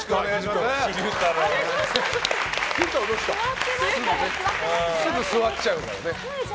すぐ座っちゃうからね。